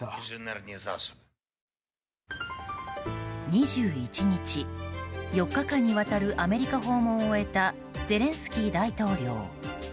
２１日、４日間にわたるアメリカ訪問を終えたゼレンスキー大統領。